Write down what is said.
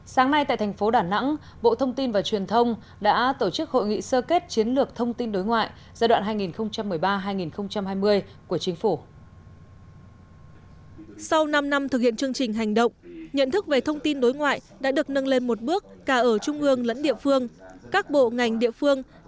sáng nay tại thành phố đà nẵng bộ thông tin và truyền thông đã tổ chức hội nghị sơ kết chiến lược thông tin đối ngoại giai đoạn hai nghìn một mươi ba hai nghìn hai mươi của chính phủ